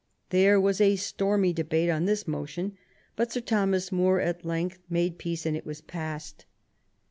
There was a stormy debate on this motion; but Sir Thomas More at length made peace, and it was passed.